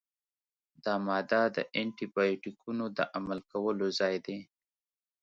دا ماده د انټي بیوټیکونو د عمل کولو ځای دی.